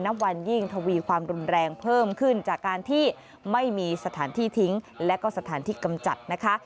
นับวันยิ่งทวีความรุนแรงเพิ่มขึ้นจากการที่ไม่มีสถานที่ทิ้งและก็สถานที่กำจัดนะคะ